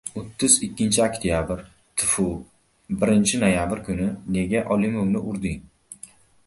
— O‘ttiz ikkinchi oktabr, tfu, birinchi noyabr kuni nega Alimovni urding?